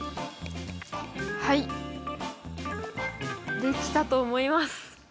はいできたと思います。